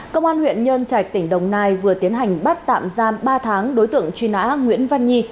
công an huyện nhân trạch tỉnh đồng nai vừa tiến hành bắt tạm giam ba tháng đối tượng truy nã nguyễn văn nhi